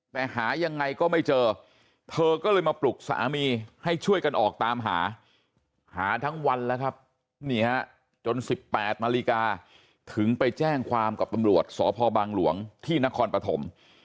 แต่หายังไงก็ไม่เจอเธอก็เลยมาปลุกสามีให้ช่วยกันออกตามหาหาทั้งวันแล้วครับนี่ฮะจน๑๘นาฬิกาถึงไปแจ้งความกับตำรวจสพบังหลวงที่นครปฐม